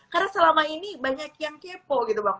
karena selama ini banyak yang kepo gitu bang